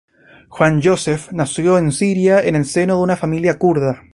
Juan Joseph nació en Siria en el seno de una familia kurda.